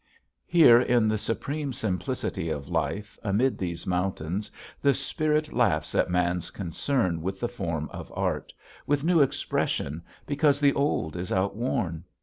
Here in the supreme simplicity of life amid these mountains the spirit laughs at man's concern with the form of Art, with new expression because the old is outworn!